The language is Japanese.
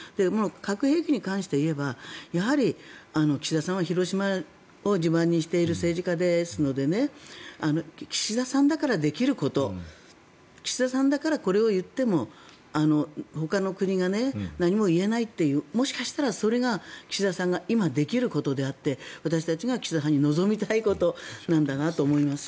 核兵器に関して言えばやはり、岸田さんは広島を地盤にしている政治家ですので岸田さんだからできること岸田さんだから、これを言っても他の国が何を言えないというもしかしたら、それが岸田さんが今できることであって私たちが岸田さんに望みたいことなんだなと思います。